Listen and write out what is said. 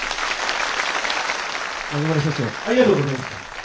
中村社長ありがとうございました。